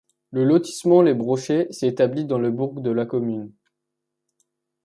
Le lotissement Les Brochets s'est établi dans le Bourg de la commune.